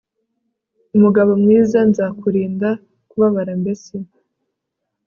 umugabo mwiza nzakurinda kubabara mbese